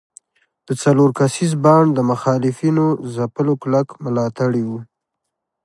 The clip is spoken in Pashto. د څلور کسیز بانډ د مخالفینو ځپلو کلک ملاتړي وو.